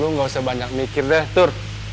lu gak usah banyak mikir deh tuh